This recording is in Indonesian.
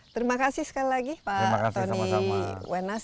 terima kasih sekali lagi pak tony wenas